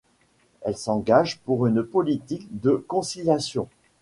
Elle s'engage pour une politique de conciliation.